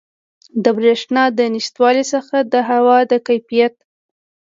د بریښنا د نشتوالي څخه د هوا د کیفیت